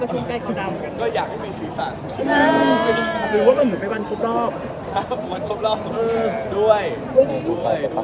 ส่วนที่ไม่ดีกว่าเราต้องตัดทิ้งไปเลยไง